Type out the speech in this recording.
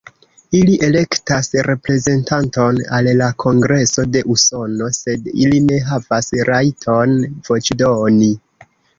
Ili elektas reprezentanton al la Kongreso de Usono, sed ili ne havas rajton voĉdoni.